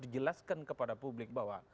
dijelaskan kepada publik bahwa